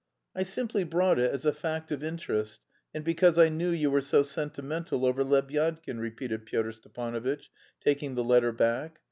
"I simply brought it as a fact of interest and because I knew you were so sentimental over Lebyadkin," repeated Pyotr Stepanovitch, taking the letter back.